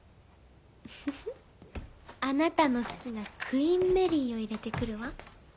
フフあなたの好きなクインメリーを入れて来るわ。